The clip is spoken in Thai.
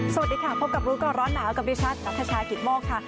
สวัสดีค่ะพบกับรู้ก่อนร้อนหนาวกับดิฉันนัทชายกิตโมกค่ะ